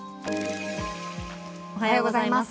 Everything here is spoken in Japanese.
おはようございます。